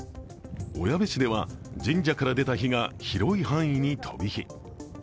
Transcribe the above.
小矢部市では神社から出た火が広い範囲に飛び火。